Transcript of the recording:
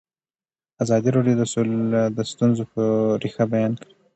ازادي راډیو د سوله د ستونزو رېښه بیان کړې.